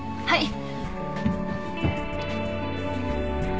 はい。